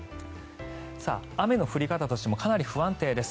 雨の降り方としてもかなり不安定です。